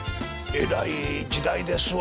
えらい時代ですわ。